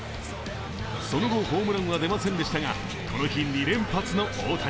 その後、ホームランは出ませんでしたが、この日２連発の大谷。